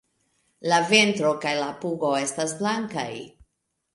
La ventro kaj la pugo estas blankaj.